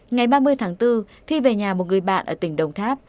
ngày ba mươi tháng bốn thi về nhà một người bạn ở tỉnh đồng tháp